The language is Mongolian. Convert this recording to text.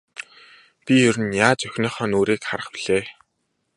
Би ер нь яаж охиныхоо нүүрийг харах билээ.